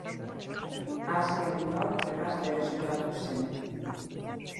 Asia Minor erraz berreskuratu zen.